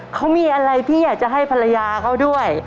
เขามีอะไรที่อยากจะให้ภรรยาเขาด้วย